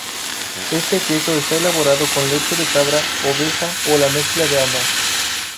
Este queso está elaborado con leche de cabra, oveja o la mezcla de ambas.